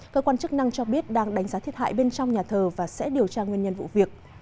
cơ quan chức năng cho biết đang đánh giá thiệt hại bên trong nhà thờ và sẽ điều tra nguyên nhân vụ việc